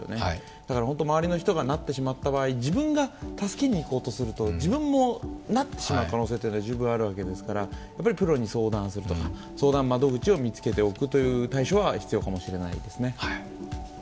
だから本当に周りの人がなってしまった場合、自分が助けに行こうとすると自分もなってしまう可能性は十分あるわけですから、プロに相談するとか、相談窓口を見つけておくことは必要かもしれないですね。